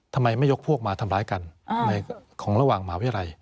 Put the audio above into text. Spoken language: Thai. ทำไมไม่ยกพวกมาทำร้ายกันในของระหว่างมหาวิทยาลัย